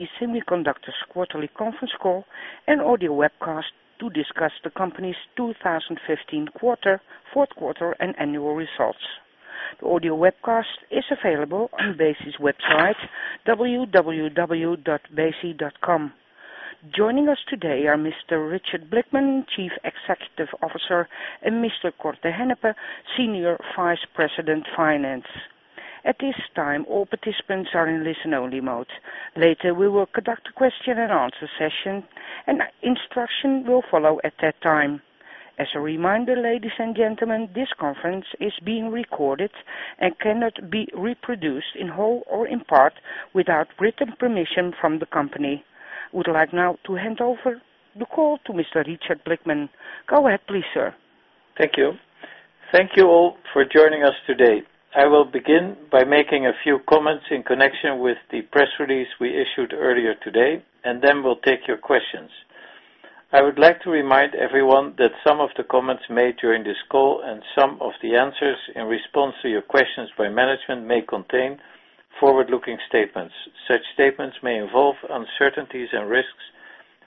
BESI's quarterly conference call and audio webcast to discuss the company's 2015 fourth quarter and annual results. The audio webcast is available on www.besi.com. Joining us today are Mr. Richard Blickman, Chief Executive Officer, and Mr. Cor te Hennepe, Senior Vice President, Finance. At this time, all participants are in listen-only mode. Later, we will conduct a question and answer session, and instruction will follow at that time. As a reminder, ladies and gentlemen, this conference is being recorded and cannot be reproduced in whole or in part without written permission from the company. We would like now to hand over the call to Mr. Richard Blickman. Go ahead, please, sir. Thank you. Thank you all for joining us today. I will begin by making a few comments in connection with the press release we issued earlier today. Then we'll take your questions. I would like to remind everyone that some of the comments made during this call and some of the answers in response to your questions by management may contain forward-looking statements. Such statements may involve uncertainties and risks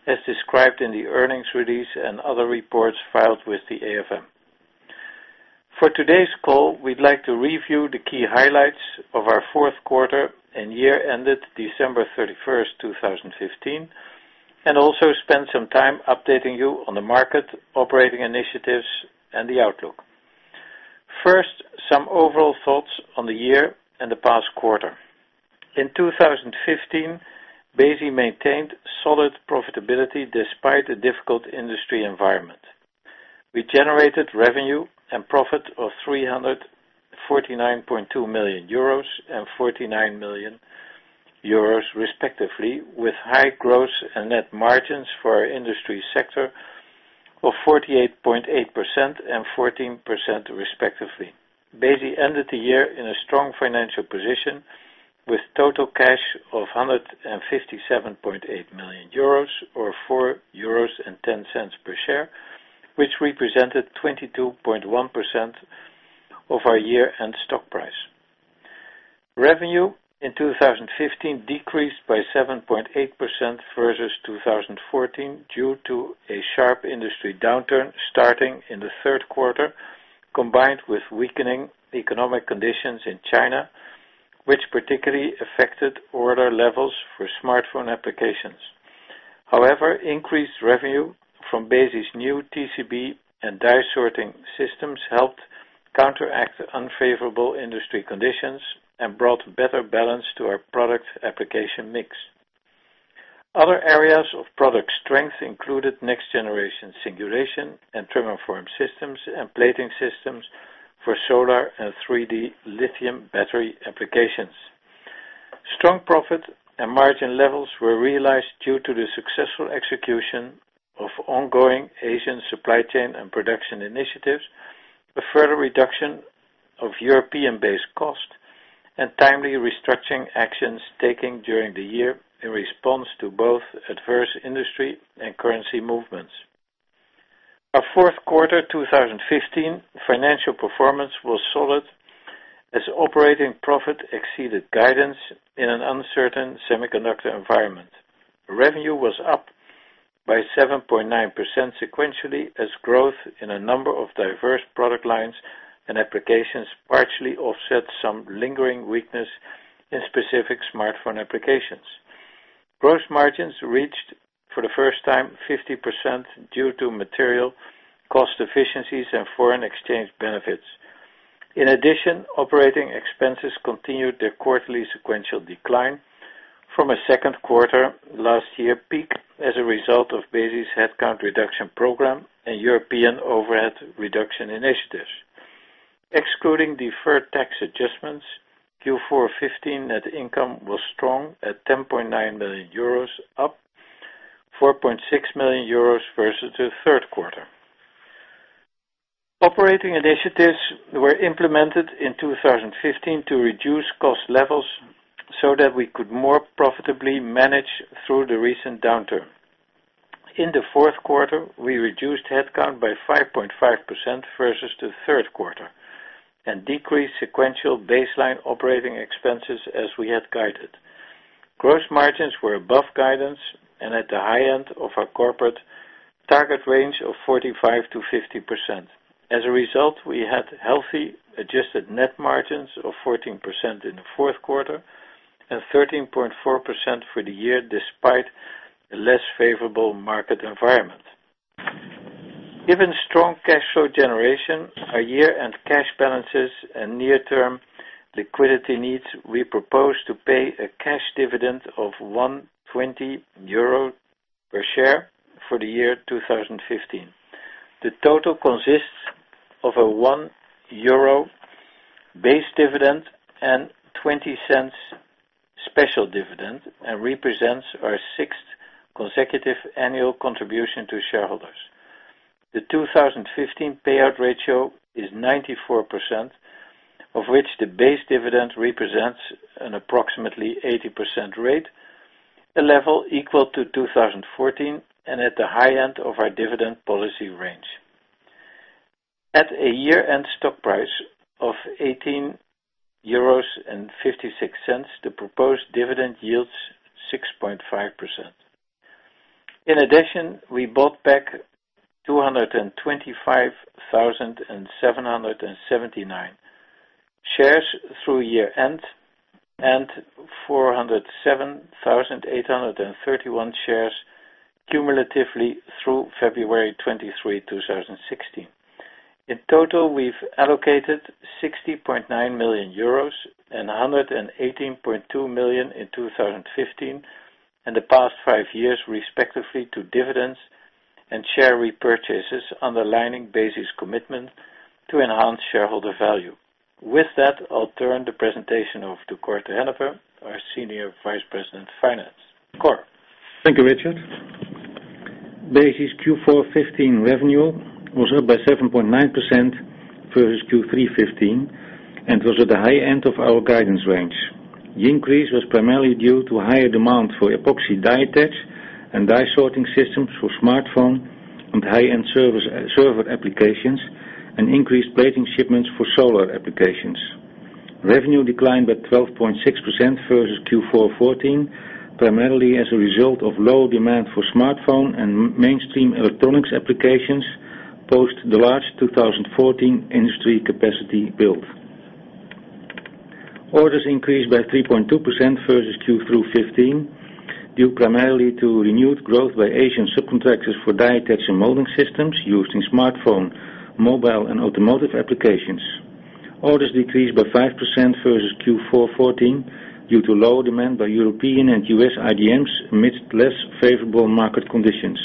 as described in the earnings release and other reports filed with the AFM. For today's call, we'd like to review the key highlights of our fourth quarter and year ended December 31st, 2015, and also spend some time updating you on the market, operating initiatives, and the outlook. First, some overall thoughts on the year and the past quarter. In 2015, BESI maintained solid profitability despite a difficult industry environment. We generated revenue and profit of 349.2 million euros and 49 million euros, respectively, with high gross and net margins for our industry sector of 48.8% and 14%, respectively. BESI ended the year in a strong financial position with total cash of 157.8 million euros, or 4.10 euros per share, which represented 22.1% of our year-end stock price. Revenue in 2015 decreased by 7.8% versus 2014 due to a sharp industry downturn starting in the third quarter, combined with weakening economic conditions in China, which particularly affected order levels for smartphone applications. However, increased revenue from BESI's new TCB and die sorting systems helped counteract unfavorable industry conditions and brought better balance to our product application mix. Other areas of product strength included next-generation singulation and trim and form systems and plating systems for solar and 3D lithium battery applications. Strong profit and margin levels were realized due to the successful execution of ongoing Asian supply chain and production initiatives, a further reduction of European-based cost, and timely restructuring actions taken during the year in response to both adverse industry and currency movements. Our fourth quarter 2015 financial performance was solid as operating profit exceeded guidance in an uncertain semiconductor environment. Revenue was up by 7.9% sequentially as growth in a number of diverse product lines and applications partially offset some lingering weakness in specific smartphone applications. Gross margins reached, for the first time, 50% due to material cost efficiencies and foreign exchange benefits. In addition, operating expenses continued their quarterly sequential decline from a second quarter last year peak as a result of BESI's headcount reduction program and European overhead reduction initiatives. Excluding deferred tax adjustments, Q4 2015 net income was strong at 10.9 million euros, up 4.6 million euros versus the third quarter. Operating initiatives were implemented in 2015 to reduce cost levels so that we could more profitably manage through the recent downturn. In the fourth quarter, we reduced headcount by 5.5% versus the third quarter and decreased sequential baseline operating expenses as we had guided. Gross margins were above guidance and at the high end of our corporate target range of 45%-50%. As a result, we had healthy adjusted net margins of 14% in the fourth quarter and 13.4% for the year, despite a less favorable market environment. Given strong cash flow generation, our year-end cash balances, and near-term liquidity needs, we propose to pay a cash dividend of 1.20 euro per share for the year 2015. The total consists of a 1 euro base dividend and 0.20 special dividend and represents our sixth consecutive annual contribution to shareholders. The 2015 payout ratio is 94%, of which the base dividend represents an approximately 80% rate, a level equal to 2014 and at the high end of our dividend policy range. At a year-end stock price of 18.56 euros, the proposed dividend yields 6.5%. In addition, we bought back 225,779 shares through year-end and 407,831 shares cumulatively through February 23, 2016. In total, we've allocated 60.9 million euros and 118.2 million in 2015 and the past five years respectively to dividends and share repurchases, underlining BESI's commitment to enhance shareholder value. With that, I'll turn the presentation over to Cor te Hennepe, our Senior Vice President of Finance. Cor. Thank you, Richard. BESI Q4 2015 revenue was up by 7.9% versus Q3 2015 and was at the high end of our guidance range. The increase was primarily due to higher demand for epoxy die attach and die sorting systems for smartphone and high-end server applications and increased plating shipments for solar applications. Revenue declined by 12.6% versus Q4 2014, primarily as a result of lower demand for smartphone and mainstream electronics applications post the large 2014 industry capacity build. Orders increased by 3.2% versus Q3 2015, due primarily to renewed growth by Asian subcontractors for die attach and molding systems used in smartphone, mobile, and automotive applications. Orders decreased by 5% versus Q4 2014 due to lower demand by European and U.S. IDMs amidst less favorable market conditions.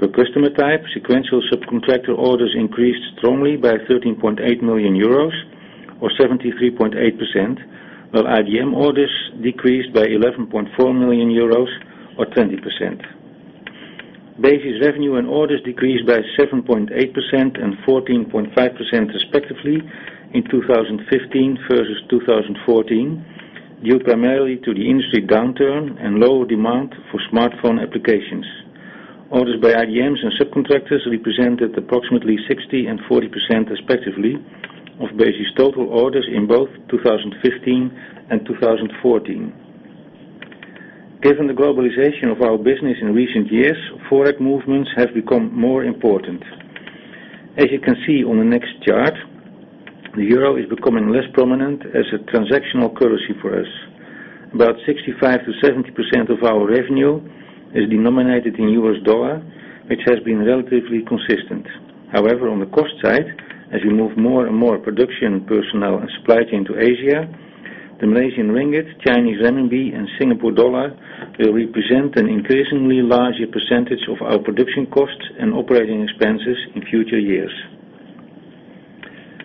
Per customer type, sequential subcontractor orders increased strongly by 13.8 million euros or 73.8%, while IDM orders decreased by 11.4 million euros or 20%. BESI revenue and orders decreased by 7.8% and 14.5% respectively in 2015 versus 2014, due primarily to the industry downturn and lower demand for smartphone applications. Orders by IDMs and subcontractors represented approximately 60% and 40% respectively of BESI's total orders in both 2015 and 2014. Given the globalization of our business in recent years, Forex movements have become more important. As you can see on the next chart, the euro is becoming less prominent as a transactional currency for us. About 65%-70% of our revenue is denominated in U.S. dollars, which has been relatively consistent. On the cost side, as we move more and more production personnel and supply chain to Asia, the Malaysian ringgit, Chinese renminbi, and Singapore dollar will represent an increasingly larger percentage of our production costs and operating expenses in future years.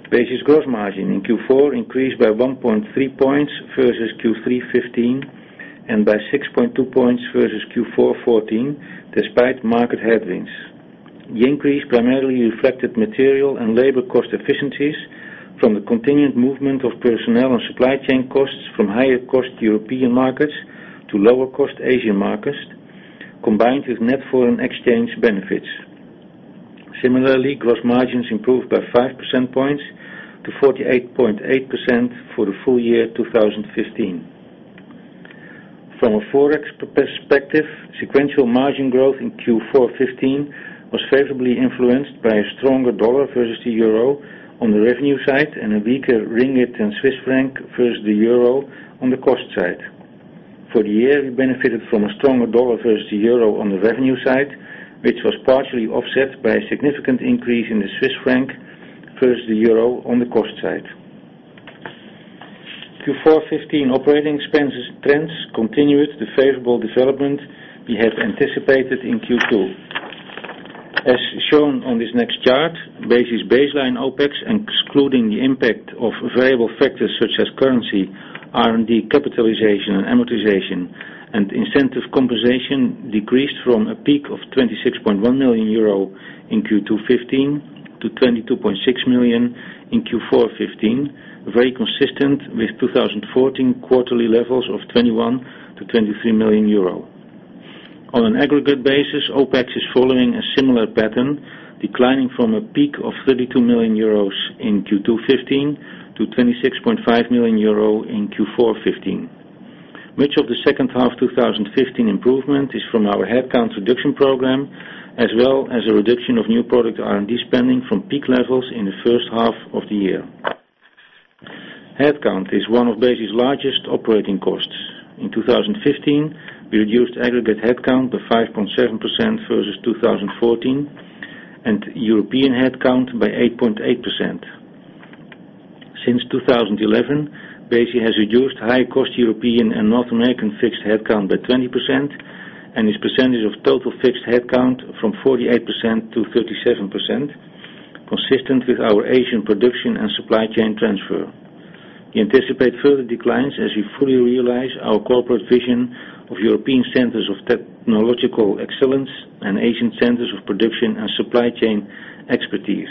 BESI's gross margin in Q4 increased by 1.3 percentage points versus Q3 2015 and by 6.2 percentage points versus Q4 2014, despite market headwinds. The increase primarily reflected material and labor cost efficiencies from the continued movement of personnel and supply chain costs from higher-cost European markets to lower-cost Asian markets, combined with net foreign exchange benefits. Similarly, gross margins improved by 5 percentage points to 48.8% for the full year 2015. From a Forex perspective, sequential margin growth in Q4 2015 was favorably influenced by a stronger dollar versus the euro on the revenue side and a weaker ringgit and Swiss franc versus the euro on the cost side. For the year, we benefited from a stronger dollar versus the euro on the revenue side, which was partially offset by a significant increase in the Swiss franc versus the euro on the cost side. Q4 2015 operating expenses trends continued the favorable development we had anticipated in Q2. As shown on this next chart, BESI baseline OpEx, excluding the impact of variable factors such as currency, R&D capitalization and amortization, and incentive compensation decreased from a peak of 26.1 million euro in Q2 2015 to 22.6 million in Q4 2015, very consistent with 2014 quarterly levels of 21 million to 23 million euro. On an aggregate basis, OpEx is following a similar pattern, declining from a peak of 32 million euros in Q2 2015 to 26.5 million euro in Q4 2015. Much of the second half 2015 improvement is from our headcount reduction program, as well as a reduction of new product R&D spending from peak levels in the first half of the year. Headcount is one of BESI's largest operating costs. In 2015, we reduced aggregate headcount by 5.7% versus 2014 and European headcount by 8.8%. Since 2011, BESI has reduced high-cost European and North American fixed headcount by 20% and its percentage of total fixed headcount from 48%-37%, consistent with our Asian production and supply chain transfer. We anticipate further declines as we fully realize our corporate vision of European centers of technological excellence and Asian centers of production and supply chain expertise.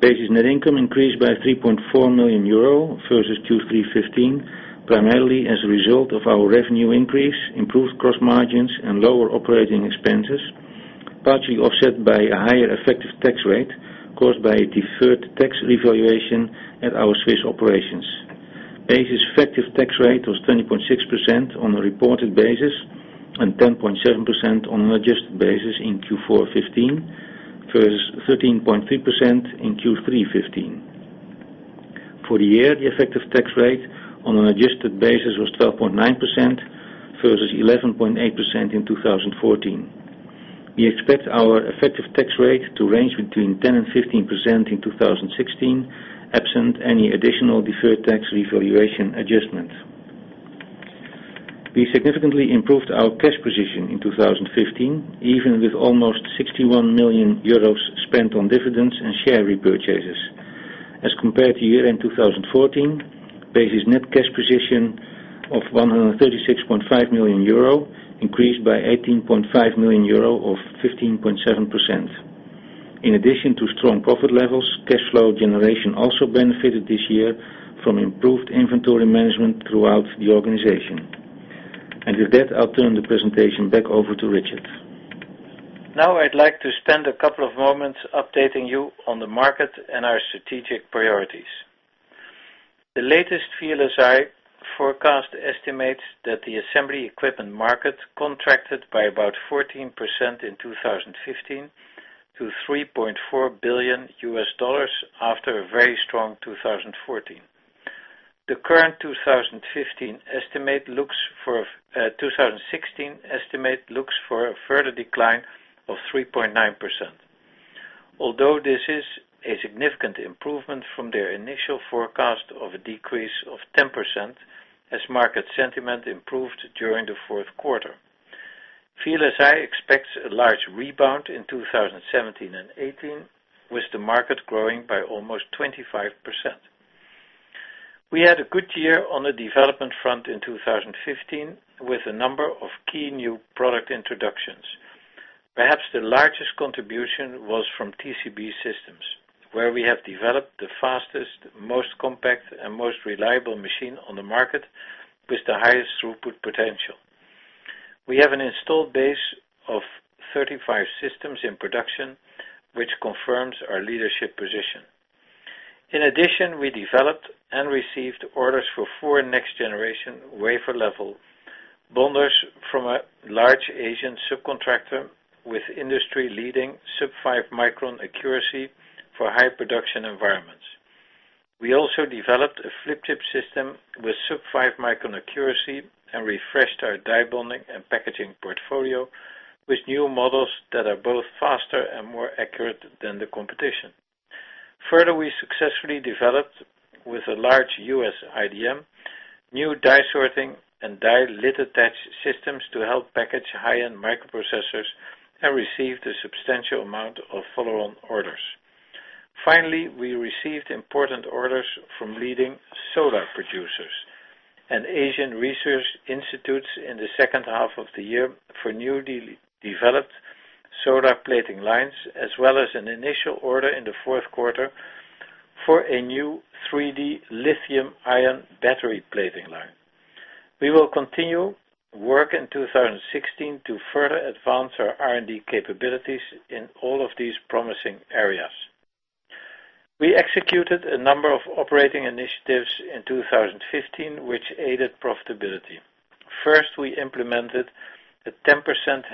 BESI's net income increased by 3.4 million euro versus Q3 2015, primarily as a result of our revenue increase, improved gross margins, and lower operating expenses, partially offset by a higher effective tax rate caused by a deferred tax revaluation at our Swiss operations. BESI's effective tax rate was 20.6% on a reported basis and 10.7% on an adjusted basis in Q4 2015, versus 13.3% in Q3 2015. For the year, the effective tax rate on an adjusted basis was 12.9% versus 11.8% in 2014. We expect our effective tax rate to range between 10%-15% in 2016, absent any additional deferred tax revaluation adjustments. We significantly improved our cash position in 2015, even with almost 61 million euros spent on dividends and share repurchases. As compared to year-end 2014, BESI's net cash position of 136.5 million euro increased by 18.5 million euro, or 15.7%. In addition to strong profit levels, cash flow generation also benefited this year from improved inventory management throughout the organization. With that, I'll turn the presentation back over to Richard. Now, I'd like to spend a couple of moments updating you on the market and our strategic priorities. The latest VLSI Research forecast estimates that the assembly equipment market contracted by about 14% in 2015 to EUR 3.4 billion after a very strong 2014. The current 2016 estimate looks for a further decline of 3.9%. Although this is a significant improvement from their initial forecast of a decrease of 10%, as market sentiment improved during the fourth quarter. VLSI Research expects a large rebound in 2017 and 2018, with the market growing by almost 25%. We had a good year on the development front in 2015 with a number of key new product introductions. Perhaps the largest contribution was from TCB systems, where we have developed the fastest, most compact, and most reliable machine on the market with the highest throughput potential. We have an installed base of 35 systems in production, which confirms our leadership position. In addition, we developed and received orders for four next-generation wafer-level bonders from a large Asian subcontractor with industry-leading sub-five micron accuracy for high-production environments. We also developed a flip chip system with sub-five micron accuracy and refreshed our die bonding and packaging portfolio with new models that are both faster and more accurate than the competition. Further, we successfully developed with a large U.S. IDM, new die sorting and lid attach systems to help package high-end microprocessors and receive the substantial amount of follow-on orders. Finally, we received important orders from leading solar producers and Asian research institutes in the second half of the year for newly developed solar plating lines, as well as an initial order in the fourth quarter for a new 3D lithium-ion battery plating line. We will continue work in 2016 to further advance our R&D capabilities in all of these promising areas. We executed a number of operating initiatives in 2015, which aided profitability. First, we implemented a 10%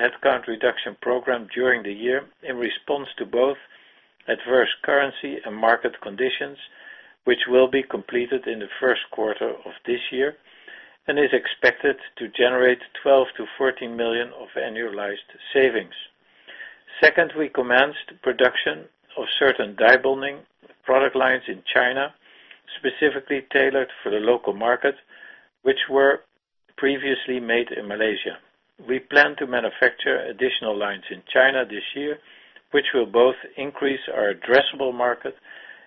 headcount reduction program during the year in response to both adverse currency and market conditions, which will be completed in the first quarter of this year and is expected to generate 12 million-14 million of annualized savings. Second, we commenced production of certain die bonding product lines in China, specifically tailored for the local market, which were previously made in Malaysia. We plan to manufacture additional lines in China this year, which will both increase our addressable market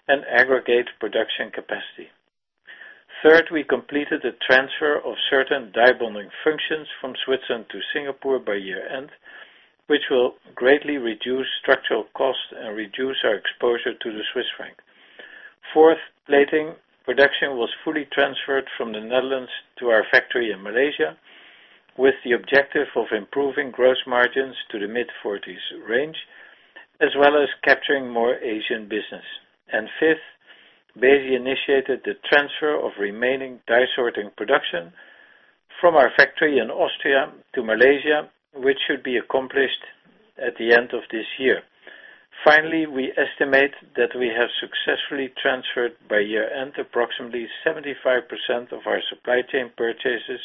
and aggregate production capacity. Third, we completed the transfer of certain die bonding functions from Switzerland to Singapore by year-end, which will greatly reduce structural cost and reduce our exposure to the Swiss franc. Fourth, plating production was fully transferred from the Netherlands to our factory in Malaysia with the objective of improving gross margins to the mid-40s range, as well as capturing more Asian business. Fifth, BESI initiated the transfer of remaining die sorting production from our factory in Austria to Malaysia, which should be accomplished at the end of this year. Finally, we estimate that we have successfully transferred by year-end, approximately 75% of our supply chain purchases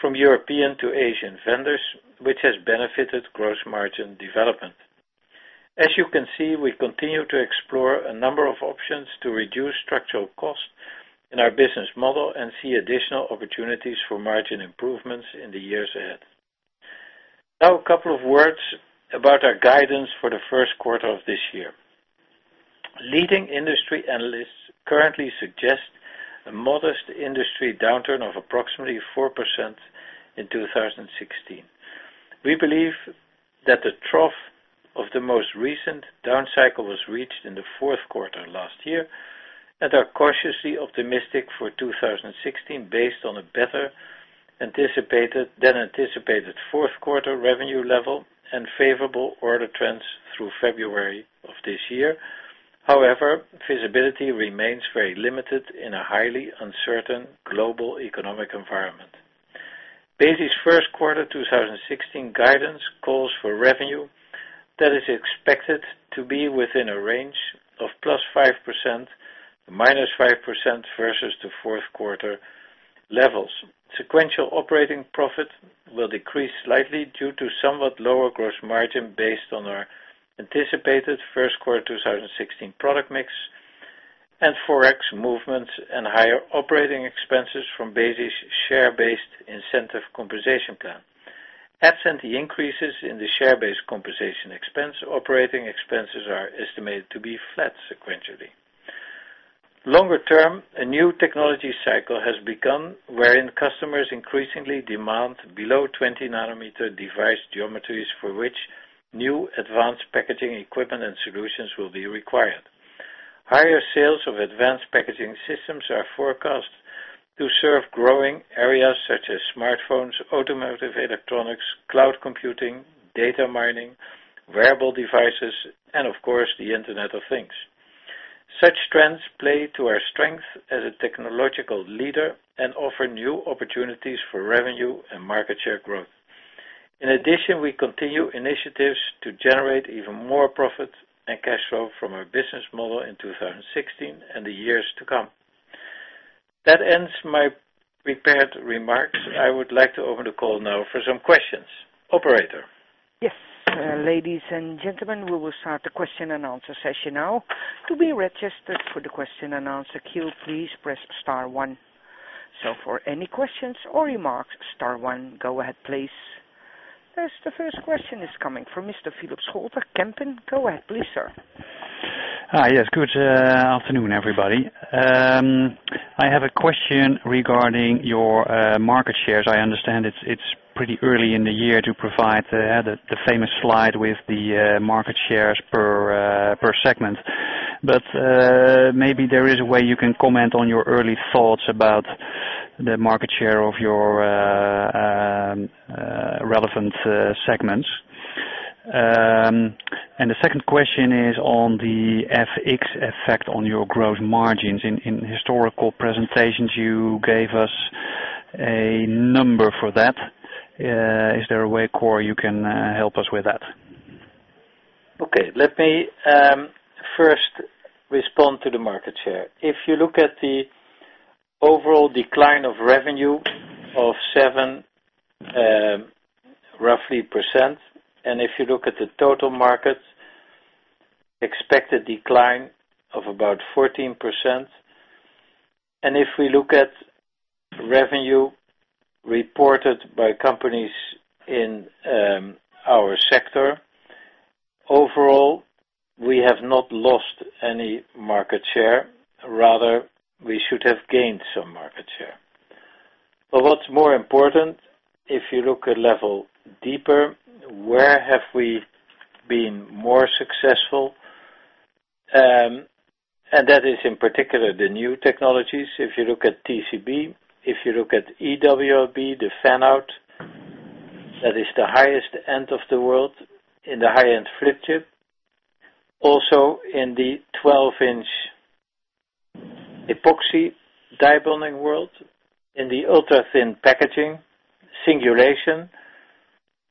from European to Asian vendors, which has benefited gross margin development. As you can see, we continue to explore a number of options to reduce structural cost in our business model and see additional opportunities for margin improvements in the years ahead. A couple of words about our guidance for the first quarter of this year. Leading industry analysts currently suggest a modest industry downturn of approximately 4% in 2016. We believe that the trough of the most recent down cycle was reached in the fourth quarter last year, and are cautiously optimistic for 2016 based on a better than anticipated fourth quarter revenue level and favorable order trends through February of this year. However, visibility remains very limited in a highly uncertain global economic environment. BESI's first quarter 2016 guidance calls for revenue that is expected to be within a range of +5% to -5% versus the fourth quarter levels. Sequential operating profit will decrease slightly due to somewhat lower gross margin based on our anticipated first quarter 2016 product mix and Forex movements and higher operating expenses from BESI's share-based incentive compensation plan. Absent increases in the share-based compensation expense, operating expenses are estimated to be flat sequentially. Longer-term, a new technology cycle has begun, wherein customers increasingly demand below 20-nanometer device geometries for which new advanced packaging equipment and solutions will be required. Higher sales of advanced packaging systems are forecast to serve growing areas such as smartphones, automotive electronics, cloud computing, data mining, wearable devices, and of course, the Internet of Things. Such trends play to our strength as a technological leader and offer new opportunities for revenue and market share growth. In addition, we continue initiatives to generate even more profit and cash flow from our business model in 2016 and the years to come. That ends my prepared remarks. I would like to open the call now for some questions. Operator. Yes. Ladies and gentlemen, we will start the question and answer session now. To be registered for the question and answer queue, please press star one. For any questions or remarks, star one. Go ahead, please. The first question is coming from Mr. Philip Scholte, Kempen & Co. Go ahead, please, sir. Hi. Yes, good afternoon, everybody. I have a question regarding your market shares. I understand it's pretty early in the year to provide the famous slide with the market shares per segment. Maybe there is a way you can comment on your early thoughts about the market share of your relevant segments. The second question is on the FX effect on your gross margins. In historical presentations, you gave us a number for that. Is there a way, Cor, you can help us with that? Okay. Let me first respond to the market share. If you look at the overall decline of revenue of 7%, roughly, and if you look at the total market, expected decline of about 14%, if we look at revenue reported by companies in our sector, overall, we have not lost any market share, rather, we should have gained some market share. What's more important, if you look a level deeper, where have we been more successful? That is in particular the new technologies. If you look at TCB, if you look at EWLB, the fan-out, that is the highest end of the world in the high-end flip chip. Also in the 12-inch epoxy die bonding world, in the ultra-thin packaging, singulation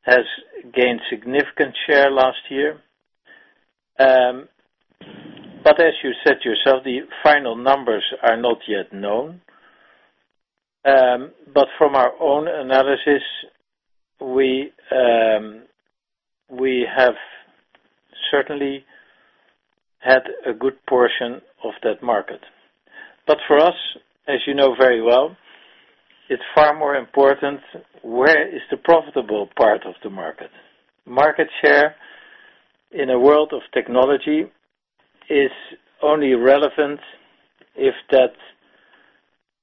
has gained significant share last year. As you said yourself, the final numbers are not yet known. From our own analysis, we have certainly had a good portion of that market. For us, as you know very well, it's far more important where is the profitable part of the market. Market share in a world of technology is only relevant if that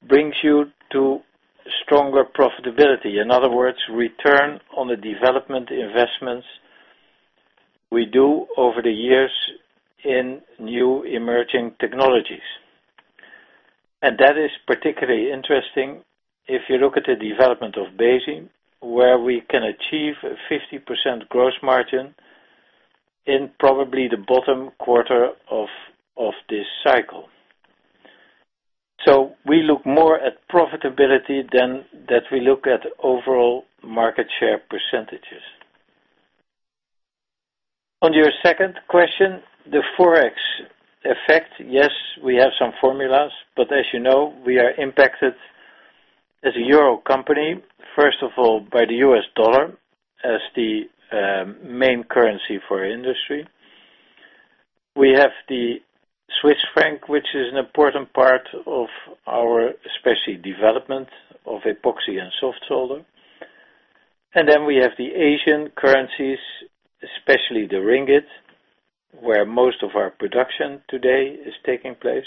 brings you to stronger profitability. In other words, return on the development investments we do over the years in new emerging technologies. That is particularly interesting if you look at the development of Besi, where we can achieve a 50% gross margin in probably the bottom quarter of this cycle. We look more at profitability than that we look at overall market share percentages. On your second question, the Forex effect, yes, we have some formulas, but as you know, we are impacted as a EUR company, first of all, by the U.S. dollar as the main currency for industry. We have the CHF, which is an important part of our especially development of epoxy and soft solder. We have the Asian currencies, especially the ringgit, where most of our production today is taking place.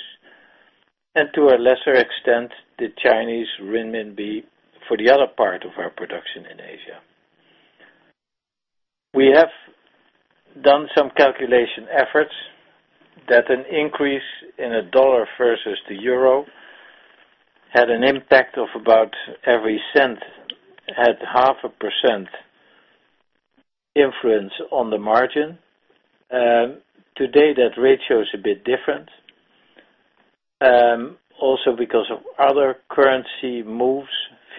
To a lesser extent, the Chinese renminbi for the other part of our production in Asia. We have done some calculation efforts that an increase in a U.S. dollar versus the EUR had an impact of about every $0.01, at 0.5% influence on the margin. Today, that ratio is a bit different. Also because of other currency moves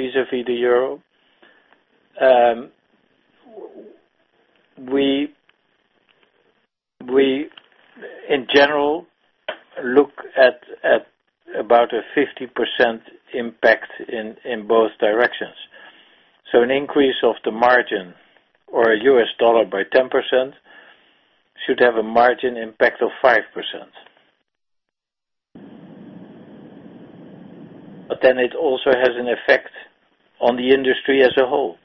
vis-à-vis the EUR. We, in general, look at about a 50% impact in both directions. An increase of the margin or a U.S. dollar by 10% should have a margin impact of 5%. It also has an effect on the industry as a whole.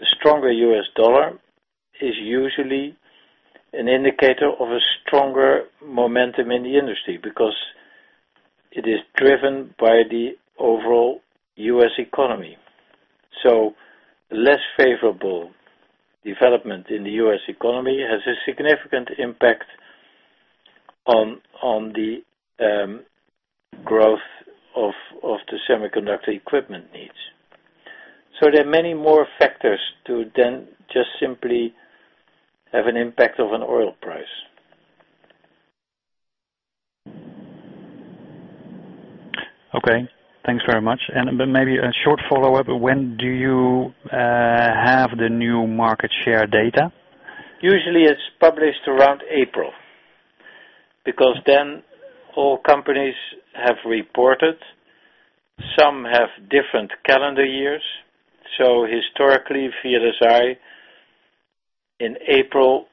A stronger U.S. dollar is usually an indicator of a stronger momentum in the industry because it is driven by the overall U.S. economy. Less favorable development in the U.S. economy has a significant impact on the growth of the semiconductor equipment needs. There are many more factors to then just simply have an impact of an oil price. Okay, thanks very much. Maybe a short follow-up. When do you have the new market share data? Usually, it's published around April, because then all companies have reported. Some have different calendar years. Historically, via the SEMI, in April,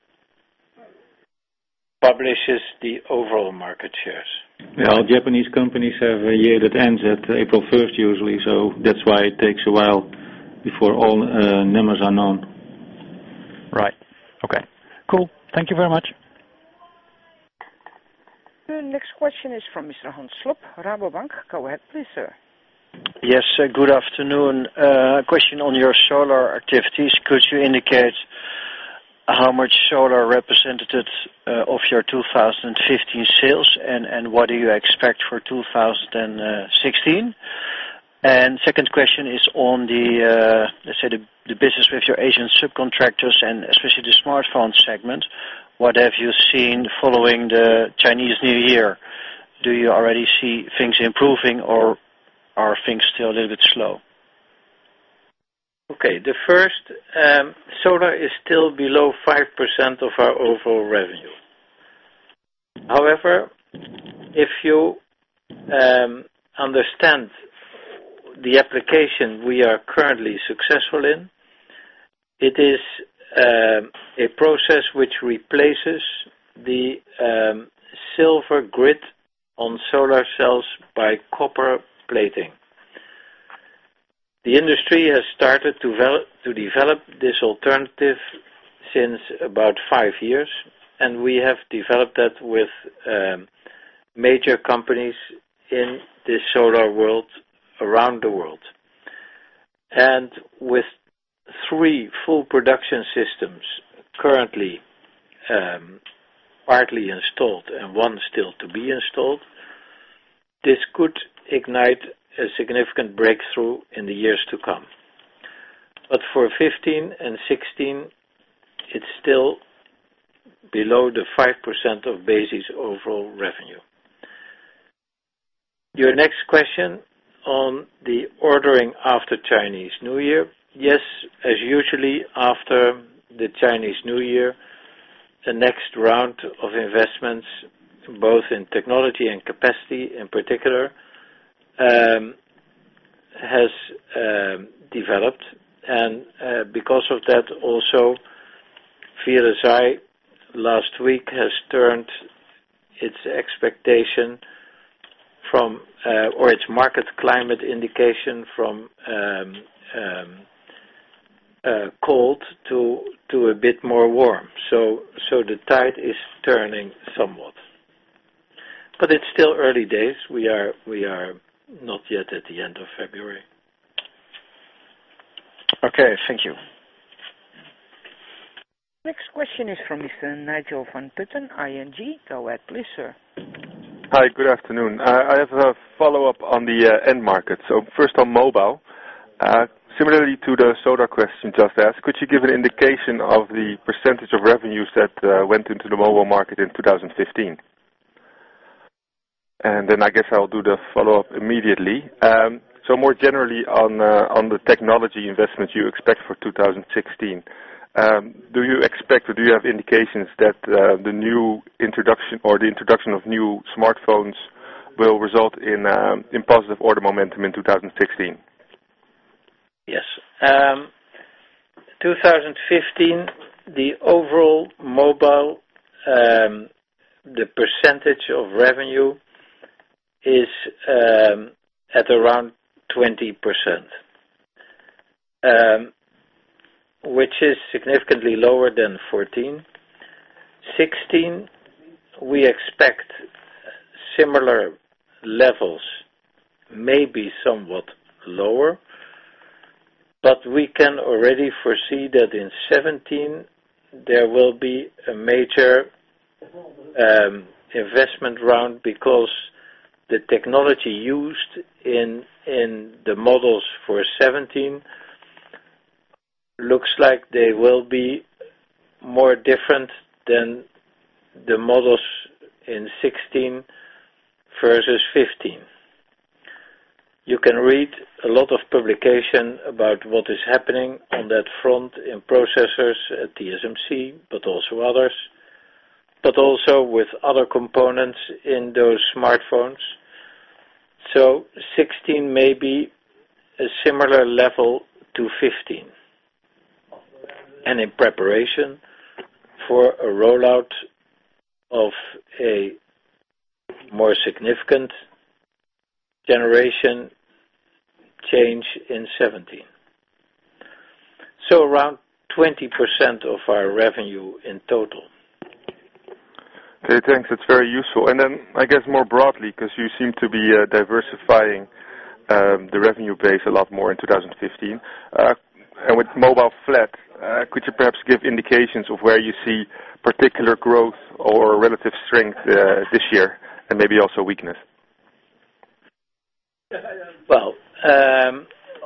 publishes the overall market shares. Well, Japanese companies have a year that ends at April 1st usually, so that's why it takes a while before all numbers are known. Right. Okay. Cool. Thank you very much. The next question is from Mr. Hans Slob, Rabobank. Go ahead, please, sir. Yes, good afternoon. A question on your solar activities. Could you indicate how much solar represented of your 2015 sales, and what do you expect for 2016? Second question is on the, let's say, the business with your Asian subcontractors and especially the smartphone segment. What have you seen following the Chinese New Year? Do you already see things improving or are things still a little bit slow? Okay, the first, solar is still below 5% of our overall revenue. However, if you understand the application we are currently successful in, it is a process which replaces the silver grid on solar cells by copper plating. The industry has started to develop this alternative since about five years, and we have developed that with major companies in the solar world, around the world. With three full production systems currently partly installed and one still to be installed, this could ignite a significant breakthrough in the years to come. For 2015 and 2016, it's still below the 5% of BESI overall revenue. Your next question on the ordering after Chinese New Year. Yes, as usually after the Chinese New Year, the next round of investments, both in technology and capacity in particular, has developed. Because of that, also, via the SEMI, last week has turned its expectation or its market climate indication from cold to a bit more warm. The tide is turning somewhat. It's still early days. We are not yet at the end of February. Okay. Thank you. Next question is from Mr. Nigel van Putten, ING. Go ahead, please, sir. Hi. Good afternoon. I have a follow-up on the end market. First on mobile. Similarly to the solar question just asked, could you give an indication of the % of revenues that went into the mobile market in 2015? Then I guess I'll do the follow-up immediately. More generally on the technology investment you expect for 2016. Do you expect or do you have indications that the new introduction or the introduction of new smartphones will result in positive order momentum in 2016? Yes. 2015, the overall mobile, the percentage of revenue is at around 20%. Which is significantly lower than 2014. 2016, we expect similar levels, maybe somewhat lower. We can already foresee that in 2017, there will be a major investment round because the technology used in the models for 2017 looks like they will be more different than the models in 2016 versus 2015. You can read a lot of publications about what is happening on that front in processors at TSMC, but also others, but also with other components in those smartphones. 2016 may be a similar level to 2015, and in preparation for a rollout of a more significant generation change in 2017. Around 20% of our revenue in total. Okay, thanks. It's very useful. I guess, more broadly, because you seem to be diversifying the revenue base a lot more in 2015. With mobile flat, could you perhaps give indications of where you see particular growth or relative strength this year and maybe also weakness? Well,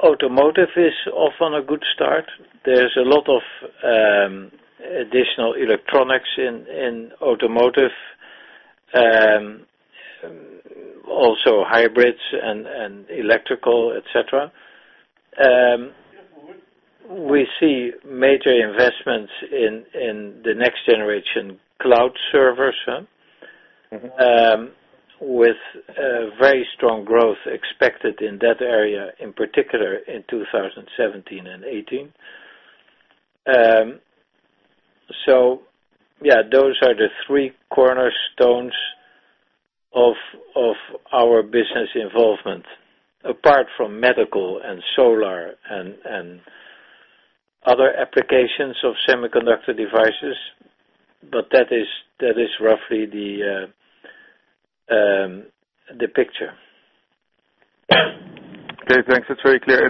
automotive is off on a good start. There's a lot of additional electronics in automotive, also hybrids and electrical, et cetera. We see major investments in the next generation cloud servers- with very strong growth expected in that area, in particular in 2017 and 2018. Yeah, those are the three cornerstones of our business involvement, apart from medical and solar and other applications of semiconductor devices. That is roughly the picture. Okay, thanks. That's very clear.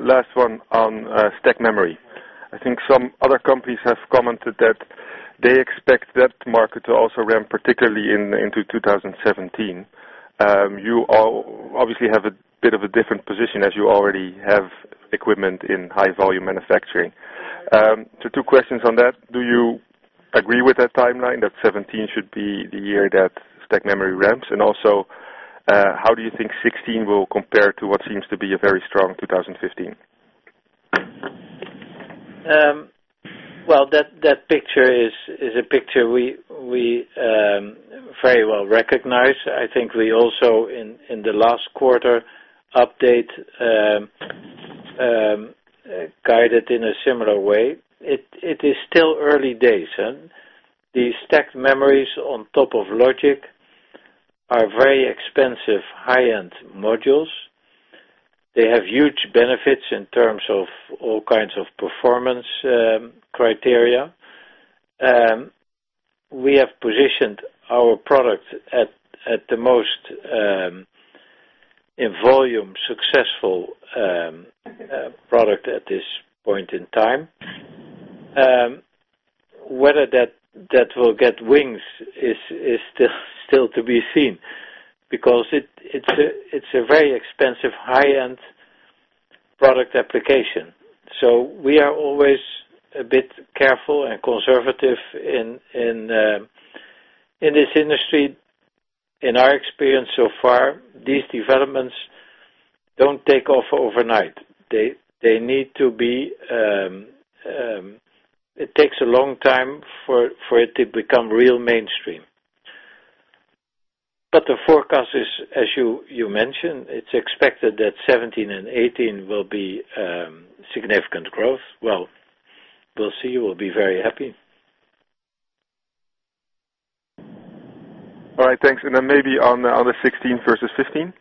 Last one on stacked memory. I think some other companies have commented that they expect that market to also ramp, particularly into 2017. You obviously have a bit of a different position as you already have equipment in high volume manufacturing. Two questions on that. Do you agree with that timeline, that 2017 should be the year that stacked memory ramps? Also, how do you think 2016 will compare to what seems to be a very strong 2015? That picture is a picture we very well recognize. I think we also in the last quarter update guided in a similar way. It is still early days. The stacked memory on top of logic are very expensive, high-end modules. They have huge benefits in terms of all kinds of performance criteria. We have positioned our product at the most, in volume, successful product at this point in time. Whether that will get wings is still to be seen, because it's a very expensive, high-end product application. We are always a bit careful and conservative in this industry. In our experience so far, these developments don't take off overnight. It takes a long time for it to become real mainstream. The forecast is, as you mentioned, it's expected that 2017 and 2018 will be significant growth. We'll see. We'll be very happy. All right, thanks. Maybe on the 2016 versus 2015?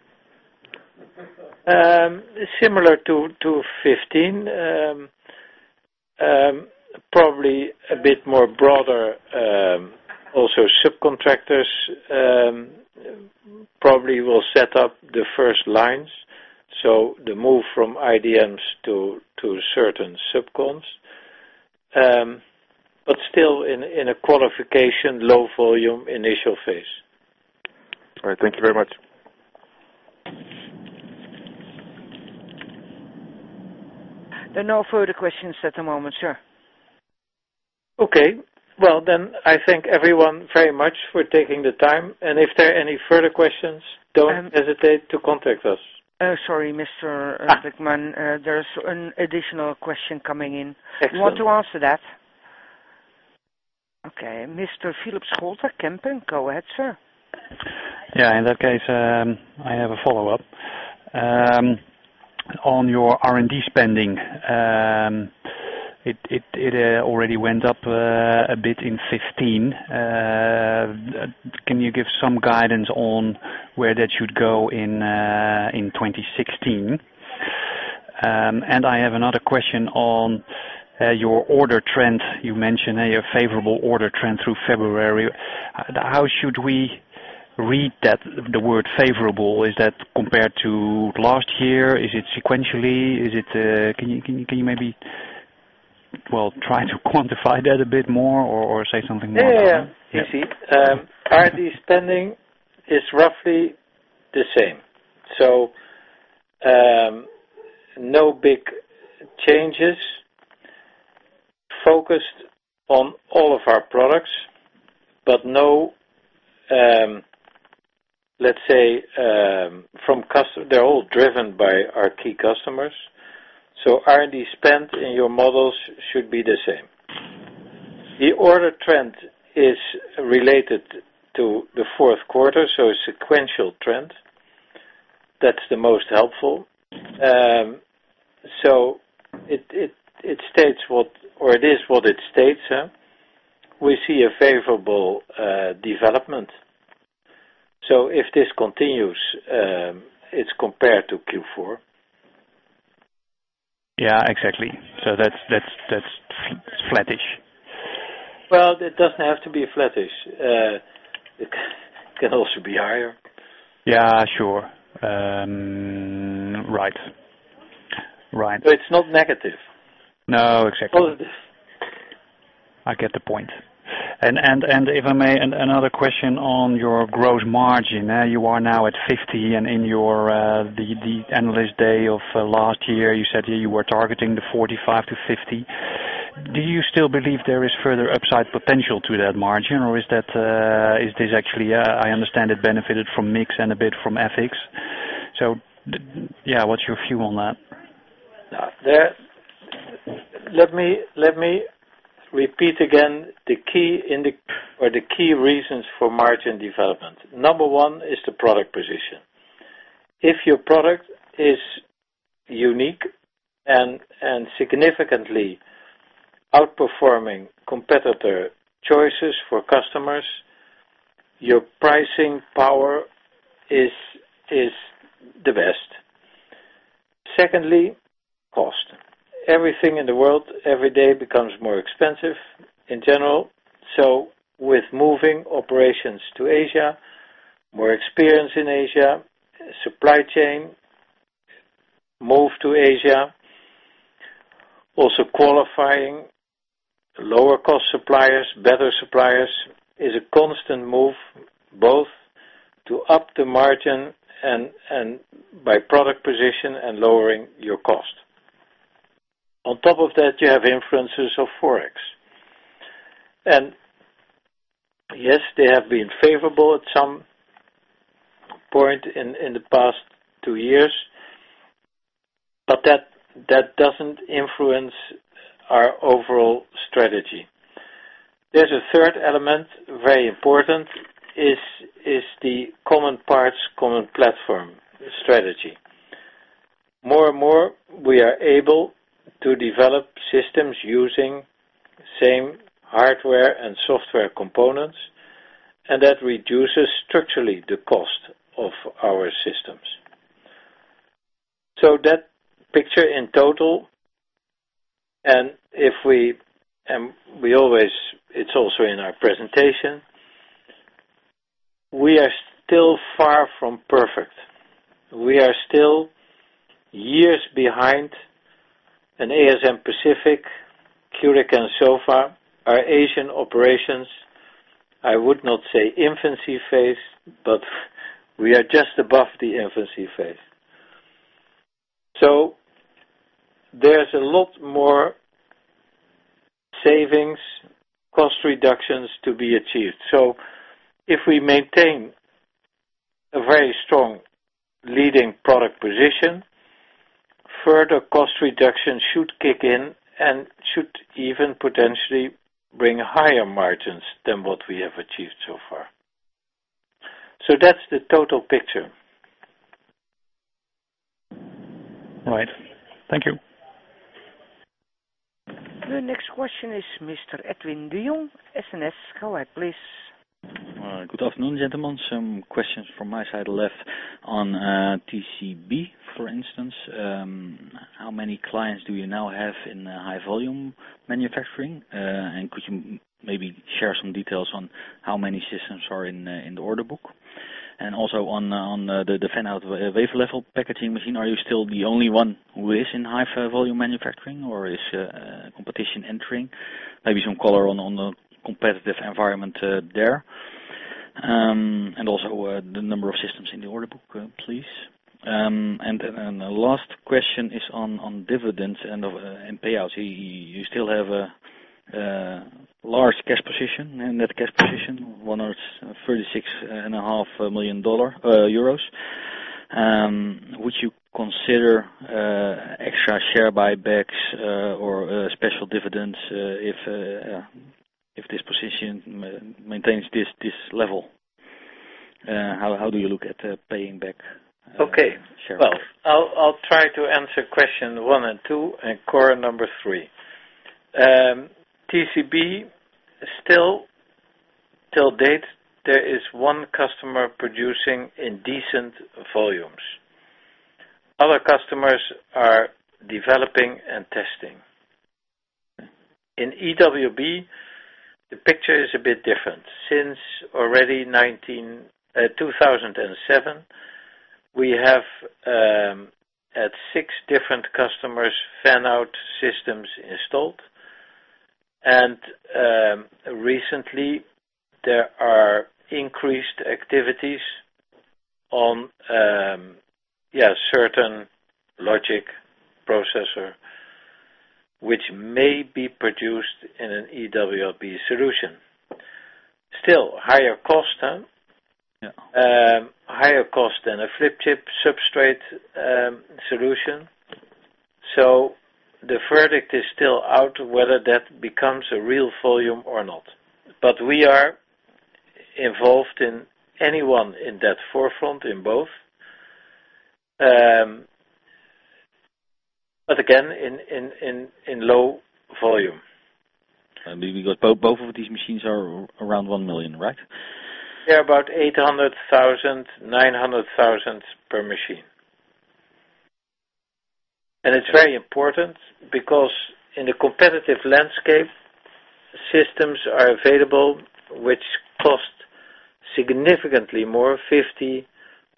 Similar to 2015, probably a bit more broader. Subcontractors probably will set up the first lines, so the move from IDMs to certain subcons. Still in a qualification, low-volume initial phase. All right. Thank you very much. There are no further questions at the moment, sir. Okay. Well, then, I thank everyone very much for taking the time. If there are any further questions, Sorry don't hesitate to contact us. Sorry, Mr. Blickman. There is an additional question coming in. Excellent. You want to answer that? Okay, Mr. Philip Scholte, Kempen, go ahead, sir. Yeah, in that case, I have a follow-up. On your R&D spending it already went up a bit in 2015. Can you give some guidance on where that should go in 2016? I have another question on your order trend. You mentioned a favorable order trend through February. How should we read the word favorable? Is that compared to last year? Is it sequentially? Can you maybe, well, try to quantify that a bit more or say something more about that? Yeah. You see, R&D spending is roughly the same. No big changes. Focused on all of our products. They are all driven by our key customers, R&D spend in your models should be the same. The order trend is related to the fourth quarter, a sequential trend. That is the most helpful. It is what it states. We see a favorable development. If this continues, it is compared to Q4. Yeah, exactly. That's flattish. Well, it doesn't have to be flattish. It can also be higher. Yeah, sure. Right. It's not negative. No, exactly. Positive. I get the point. If I may, another question on your gross margin. You are now at 50% and in the analyst day of last year, you said you were targeting the 45%-50%. Do you still believe there is further upside potential to that margin, or is this actually, I understand it benefited from mix and a bit from FX. What's your view on that? Let me repeat again, the key reasons for margin development. Number one is the product position. If your product is unique and significantly outperforming competitor choices for customers, your pricing power is the best. Secondly, cost. Everything in the world, every day becomes more expensive in general. With moving operations to Asia, more experience in Asia, supply chain move to Asia, also qualifying lower cost suppliers, better suppliers, is a constant move both to up the margin and by product position and lowering your cost. On top of that, you have influences of Forex. Yes, they have been favorable at some point in the past two years, but that doesn't influence our overall strategy. There's a third element, very important, is the common parts, common platform strategy. More and more, we are able to develop systems using same hardware and software components, and that reduces structurally the cost of our systems. That picture in total, and it's also in our presentation, we are still far from perfect. We are still years behind an ASM Pacific, Kulicke & Soffa. Our Asian operations, I would not say infancy phase, but we are just above the infancy phase. There's a lot more savings, cost reductions to be achieved. If we maintain a very strong leading product position, further cost reduction should kick in and should even potentially bring higher margins than what we have achieved so far. That's the total picture. All right. Thank you. The next question is Mr. Edwin de Jong, SNS. Go ahead, please. Good afternoon, gentlemen. Some questions from my side left on TCB, for instance. How many clients do you now have in high volume manufacturing? Could you maybe share some details on how many systems are in the order book? Also on the fan-out wafer level packaging machine, are you still the only one who is in high volume manufacturing, or is competition entering? Maybe some color on the competitive environment there. Also, the number of systems in the order book, please. The last question is on dividends and payouts. You still have a large cash position and net cash position, EUR 136.5 million. Would you consider extra share buybacks or special dividends if this position maintains this level? How do you look at paying back shareholders? Okay. Well, I'll try to answer question one and two, and Cor number 3. TCB still to date, there is one customer producing in decent volumes. Other customers are developing and testing. In EWLB, the picture is a bit different. Since already 2007, we have at six different customers fan-out systems installed. Recently there are increased activities on certain logic processor, which may be produced in an EWLB solution. Still higher cost than. Yeah higher cost than a flip chip substrate solution. The verdict is still out whether that becomes a real volume or not. We are involved in anyone in that forefront in both. Again, in low volume. Both of these machines are around 1 million, right? They're about 800,000, 900,000 per machine. It's very important because in the competitive landscape, systems are available which cost significantly more,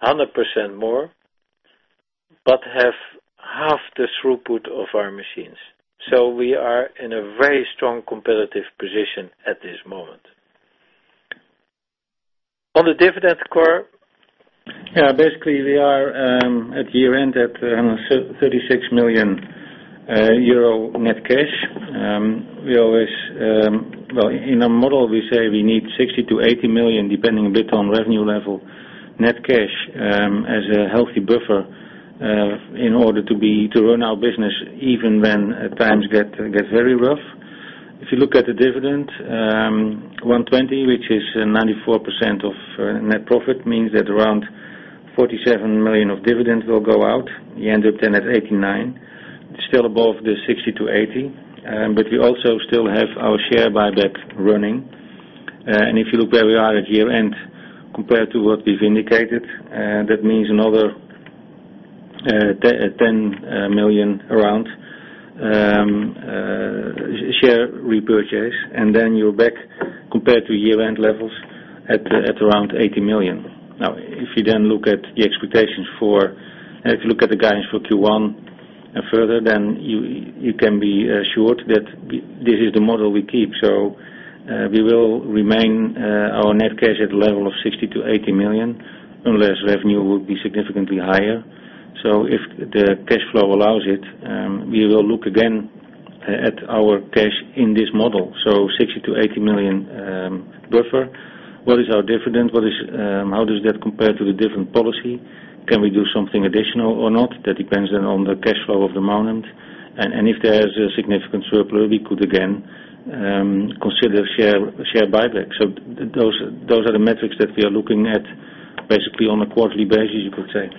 50%-100% more, but have half the throughput of our machines. We are in a very strong competitive position at this moment. On the dividend, Cor. Basically, we are at year-end at 36 million euro net cash. In our model, we say we need 60 million to 80 million, depending a bit on revenue level, net cash as a healthy buffer in order to run our business even when times get very rough. If you look at the dividend, 1.20, which is 94% of net profit, means that around 47 million of dividends will go out. You end up at 89 million. Still above the 60 million to 80 million. We also still have our share buyback running. If you look where we are at year-end compared to what we've indicated, that means another 10 million around share repurchase, and you're back compared to year-end levels at around 80 million. If you look at the guidance for Q1 and further, you can be assured that this is the model we keep. We will remain our net cash at a level of 60 million to 80 million, unless revenue will be significantly higher. If the cash flow allows it, we will look again at our cash in this model. 60 million to 80 million buffer. What is our dividend? How does that compare to the dividend policy? Can we do something additional or not? That depends then on the cash flow of the moment. If there is a significant surplus, we could again consider share buyback. Those are the metrics that we are looking at basically on a quarterly basis, you could say.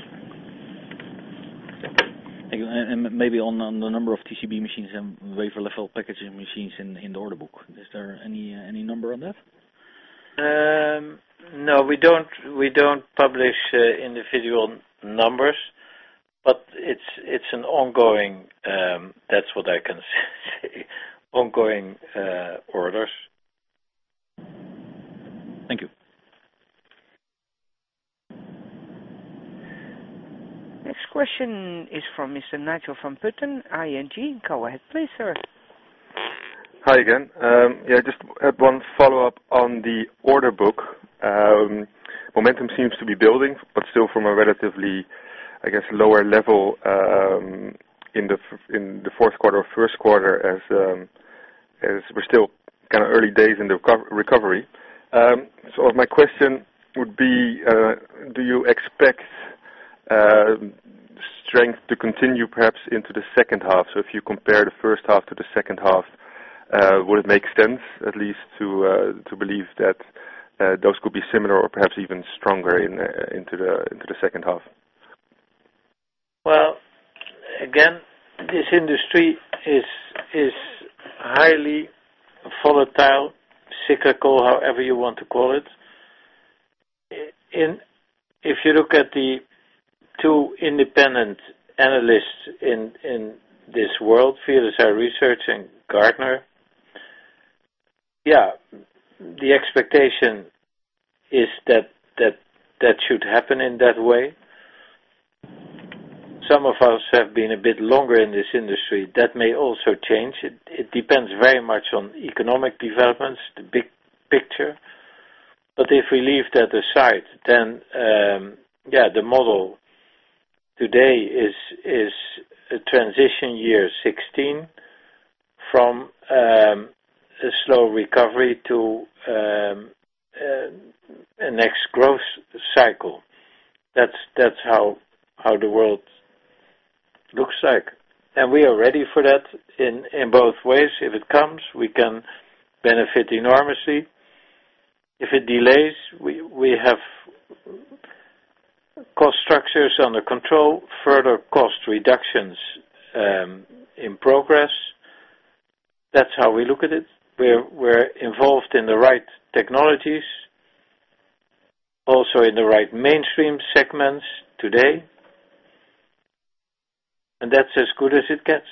Thank you. Maybe on the number of TCB machines and wafer level packaging machines in the order book. Is there any number on that? No, we don't publish individual numbers, but that's what I can say. Ongoing orders. Thank you. Next question is from Mr. Nigel van Putten, ING. Go ahead, please, sir. Hi again. Yeah, just have one follow-up on the order book. Momentum seems to be building, but still from a relatively, I guess, lower level in the fourth quarter or first quarter as we're still kind of early days in the recovery. My question would be, do you expect strength to continue, perhaps into the second half? If you compare the first half to the second half, would it make sense at least to believe that those could be similar or perhaps even stronger into the second half? Well, again, this industry is highly volatile, cyclical, however you want to call it. If you look at the two independent analysts in this world, VLSI Research and Gartner, yeah, the expectation is that that should happen in that way. Some of us have been a bit longer in this industry. That may also change. It depends very much on economic developments, the big picture. If we leave that aside, yeah, the model today is a transition year 2016 from a slow recovery to a next growth cycle. That's how the world looks like. We are ready for that in both ways. If it comes, we can benefit enormously. If it delays, we have cost structures under control, further cost reductions in progress. That's how we look at it. We're involved in the right technologies, also in the right mainstream segments today, that's as good as it gets.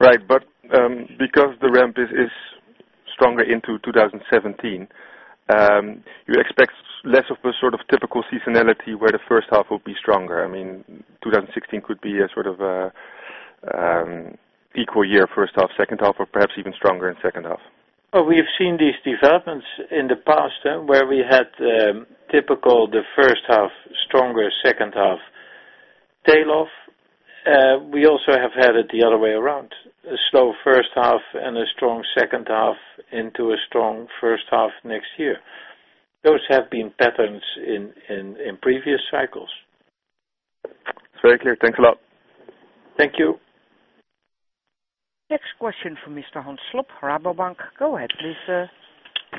Right. Because the ramp is stronger into 2017, you expect less of a sort of typical seasonality where the first half will be stronger. I mean, 2016 could be a sort of equal year, first half, second half, or perhaps even stronger in second half. We have seen these developments in the past, where we had typical, the first half stronger, second half tail off. We also have had it the other way around. A slow first half and a strong second half into a strong first half next year. Those have been patterns in previous cycles. Very clear. Thanks a lot. Thank you. Next question from Mr. Hans Slob, Rabobank. Go ahead, please.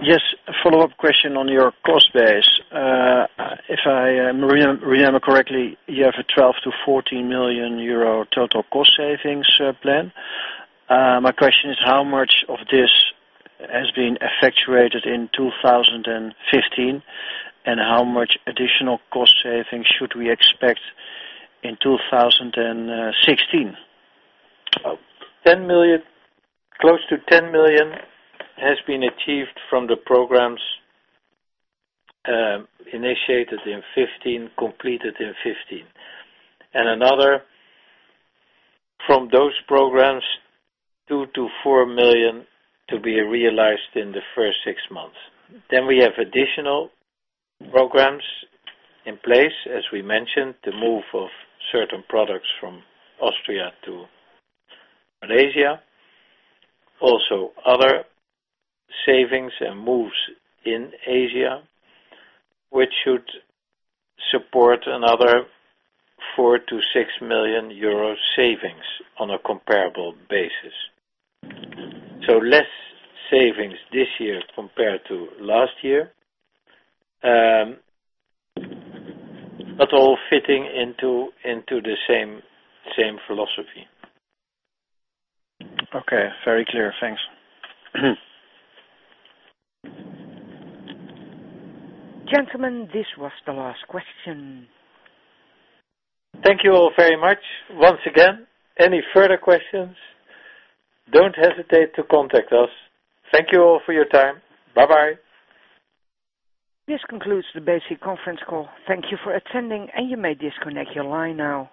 Yes, a follow-up question on your cost base. If I remember correctly, you have a 12 million-14 million euro total cost savings plan. My question is, how much of this has been effectuated in 2015, and how much additional cost savings should we expect in 2016? Close to 10 million has been achieved from the programs initiated in 2015, completed in 2015. Another, from those programs, 2 million-4 million to be realized in the first six months. We have additional programs in place, as we mentioned, the move of certain products from Austria to Malaysia. Also other savings and moves in Asia, which should support another 4 million-6 million euro savings on a comparable basis. Less savings this year compared to last year, but all fitting into the same philosophy. Okay. Very clear. Thanks. Gentlemen, this was the last question. Thank you all very much. Once again, any further questions, don't hesitate to contact us. Thank you all for your time. Bye-bye. This concludes the BESI conference call. Thank you for attending, and you may disconnect your line now.